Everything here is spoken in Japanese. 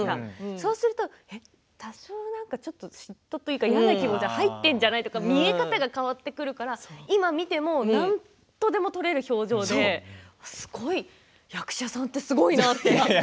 そうすると多少、嫉妬というか嫌な気持ちが入っているんじゃない？って見え方が変わってくるから今、見てもなんとでも取れる表情ですごい！いや役者さん。